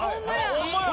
ホンマや！